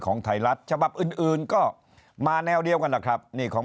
ของไทยรัฐฉบับอื่นก็มาแนวเดียวกันแหละครับนี่ของ